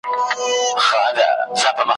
خو ټوټې یې تر میلیون وي رسېدلي `